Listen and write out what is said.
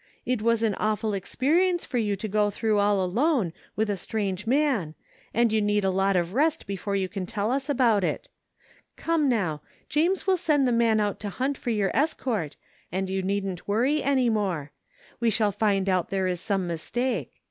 It was an awful experience for you to go through all alone with a strange man, and you need a lot of rest before you can tell us about it. Come now, James will send the man out to hunt for your escort and you needn't worry 103 THE FINDING OF JASPEE HOLT any more. We shall find out there is some mistake.